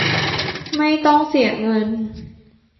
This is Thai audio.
ไม่ต้องเสียเงิน